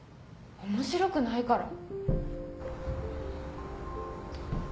面白くないから。